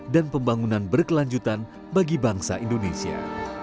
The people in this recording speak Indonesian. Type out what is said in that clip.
dan pembangunan berkelanjutan bagi bangsa indonesia